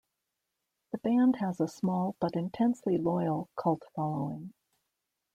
The band has a small but intensely loyal cult following.